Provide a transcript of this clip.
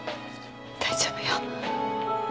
大丈夫よ。